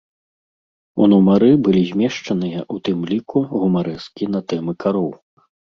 У нумары былі змешчаныя, у тым ліку, гумарэскі на тэмы кароў.